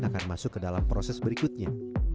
akan masuk ke dalam proses berikutnya